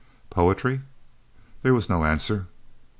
"Poetry?" There was no answer.